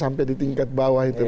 sampai di tingkat bawah itu